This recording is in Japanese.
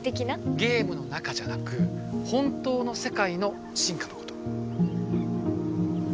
ゲームの中じゃなく本当の世界の進化のこと。